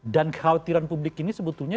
dan kekhawatiran publik ini sebetulnya